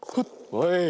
はい！